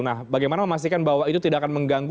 nah bagaimana memastikan bahwa itu tidak akan mengganggu